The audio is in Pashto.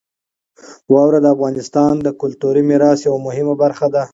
واوره د افغانستان د کلتوري میراث یوه مهمه برخه ده.